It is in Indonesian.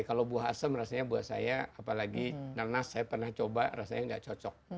kalau buah asem rasanya buat saya apalagi nanas saya pernah coba rasanya nggak cocok